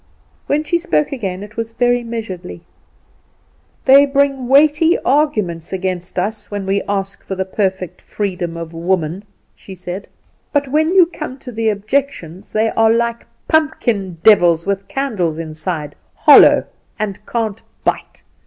When she spoke again it was very measuredly. "They bring weighty arguments against us when we ask for the perfect freedom of women," she said; "but, when you come to the objections, they are like pumpkin devils with candles inside, hollow, and can't bite.